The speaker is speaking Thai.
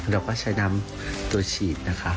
เราก็ใช้น้ำตัวฉีดนะคะ